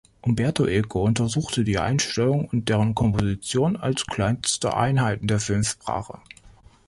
Umberto Eco untersuchte die Einstellung und deren Komposition als kleinste Einheiten der Filmsprache.